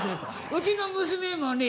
うちの娘もね